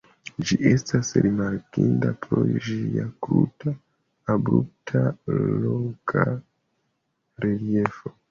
Ĝi estas rimarkinda pro ĝia kruta, abrupta loka reliefo.